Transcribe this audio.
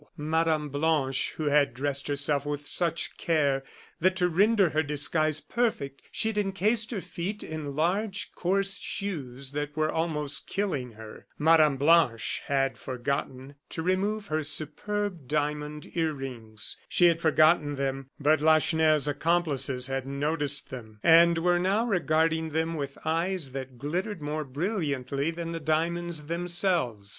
Mme. Blanche, who had dressed herself with such care, that to render her disguise perfect she had encased her feet in large, coarse shoes that were almost killing her Mme. Blanche had forgotten to remove her superb diamond ear rings. She had forgotten them, but Lacheneur's accomplices had noticed them, and were now regarding them with eyes that glittered more brilliantly than the diamonds themselves.